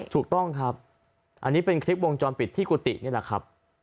ถูกต้องครับอันนี้เป็นคลิปวงจรปิดที่กุฏินี่แหละครับ